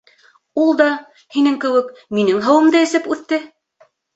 ...Ул да, һинең кеүек, минең һыуымды эсеп үҫте.